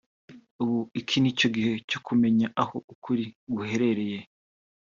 ubu iki ni cyo gihe cyo kumenya aho ukuri guherereye